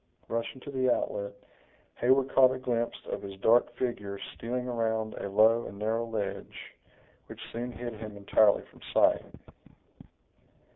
Rushing to the outlet, Heyward caught a glimpse of his dark figure stealing around a low and narrow ledge, which soon hid him entirely from sight.